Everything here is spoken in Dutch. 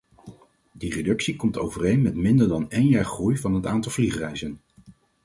Die reductie komt overeen met minder dan één jaar groei van het aantal vliegreizen.